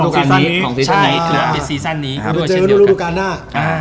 ที่มีเฉินที่รูปการ์นหน้า